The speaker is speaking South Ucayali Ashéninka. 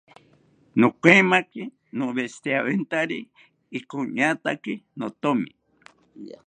Nokaemaki noweshiriawentari okiñataki nothomi